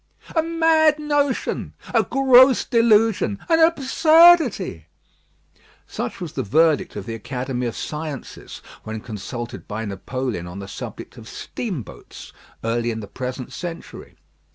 "A mad notion a gross delusion an absurdity!" Such was the verdict of the Academy of Sciences when consulted by Napoleon on the subject of steamboats, early in the present century.